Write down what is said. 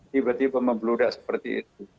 tiba tiba membludak seperti itu